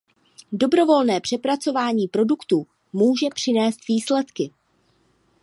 Dobrovolné přepracování produktů může přinést výsledky.